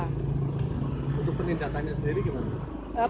untuk penindakannya sendiri gimana